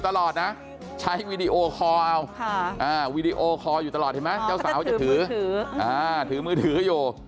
ตลอดนะใช้วีดีโอคอวีดีโอคออยู่ตลอดเห็นไหมเจ้าสาวถือมือถือ